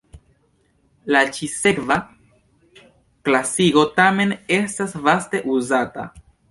La ĉi-sekva klasigo tamen estas vaste uzata.